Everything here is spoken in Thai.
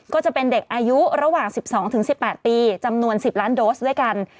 ก็จะเป็นเด็กอายุระหว่าง๑๒๑๘ปีจำนวน๑๐ล้านโดสด้วยกัน